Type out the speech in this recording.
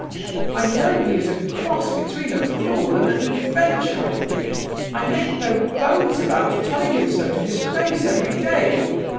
I know he is a cross between a fool and an adventurer; I make no bones about telling him so to his face every day.